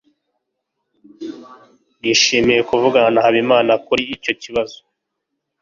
nishimiye kuvugana na habimana kuri icyo kibazo